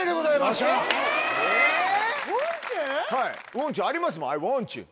ウォンチューありますもんアイウォンチュー。